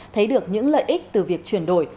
thấy được những lợi ích từ việc chuyển đổi